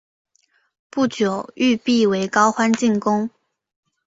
不久玉壁为高欢进攻。